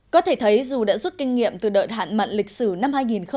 có thể thấy dù đã rút kinh nghiệm từ đợt hạn mặn lịch sử năm hai nghìn một mươi sáu